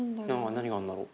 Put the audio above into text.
何があるんだろう？